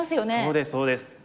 そうですそうです。